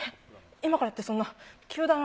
今からってそんな、急だな。